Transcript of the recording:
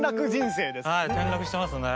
はい転落してますね。